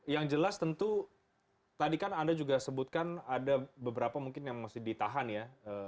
yang jelas tentu tadi kan anda juga sebutkan ada beberapa mungkin yang masih ditahan ya